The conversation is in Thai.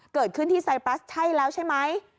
เกิดขึ้นที่ไซปรัสใช่แล้วใช่ไหม